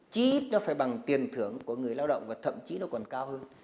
chỉ ít nó phải bằng tiền thưởng của người lao động và thậm chí nó còn cao hơn